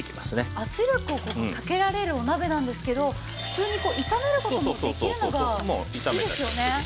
圧力をかけられるお鍋なんですけど普通に炒める事もできるのがいいですよね。